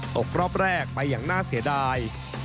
ตกรอบแรกไปอย่างน่าเสียดาย